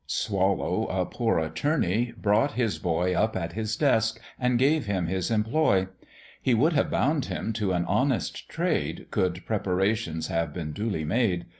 Swallow, a poor Attorney, brought his boy Up at his desk, and gave him his employ; He would have bound him to an honest trade, Could preparations have been duly made.